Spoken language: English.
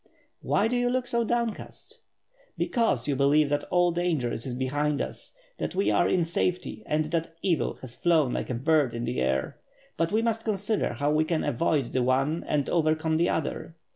"Why do you look so downcast?" "Because you believe that all danger is behind us, that we are in safety and that evil has flown like a bird in the air. But we must consider how we can avoid the one and over come the other.